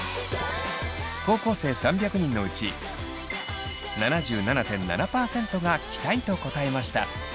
高校生３００人のうち７７．７％が着たいと答えました。